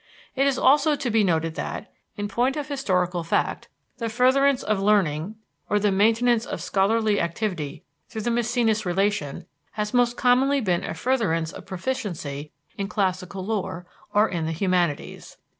It is also to be noted that, in point of historical fact, the furtherance of learning or the maintenance of scholarly activity through the Maecenas relation has most commonly been a furtherance of proficiency in classical lore or in the humanities.